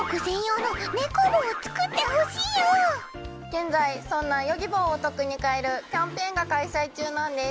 現在そんなＹｏｇｉｂｏをお得に買えるキャンペーンが開催中なんです。